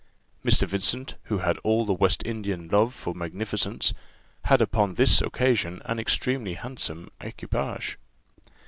Mr. Vincent, who had all the West Indian love for magnificence, had upon this occasion an extremely handsome equipage.